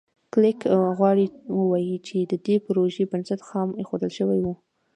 کلېک غواړي ووایي چې د دې پروژې بنسټ خام ایښودل شوی و.